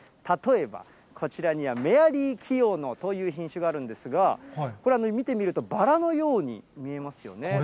例えば、こちらにはメアリーキヨノという品種があるんですが、これは見てみるとバラのように見えますよね。